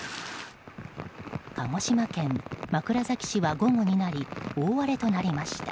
鹿児島県枕崎市は午後になり大荒れとなりました。